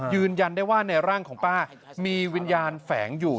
ยืนยันได้ว่าในร่างของป้ามีวิญญาณแฝงอยู่